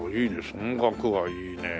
この額はいいね。